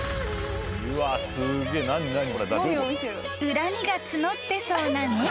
［恨みが募ってそうな猫］